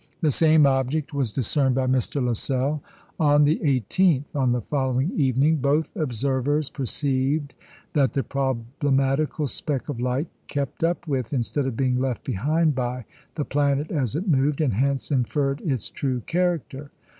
The same object was discerned by Mr. Lassell on the 18th. On the following evening, both observers perceived that the problematical speck of light kept up with, instead of being left behind by the planet as it moved, and hence inferred its true character.